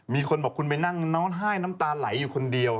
มีคนบอกคุณไปนั่งร้องไห้น้ำตาไหลอยู่คนเดียว